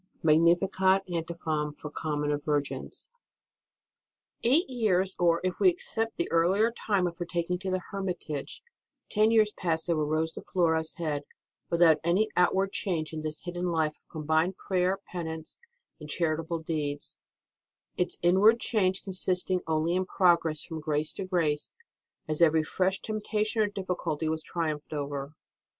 Magnificat Antiphon for Common of Virgins. ijIGHT years or, if we accept the earlier time of her taking to the hermitage, ten passed over Rose de Floras head without any outward change in this hidden life of combined prayer, penance, and charit able deeds, its inward change consisting only in progress from grace to grace as every fresh temptation or difficulty was triumphed over.